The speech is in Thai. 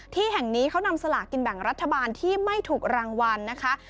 ที่แห่งนี้เขานำสลากกินแบ่งรัฐบาลที่ไม่ถูกรางวัลนะคะ